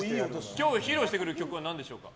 今日、披露してくれる曲は何でしょうか。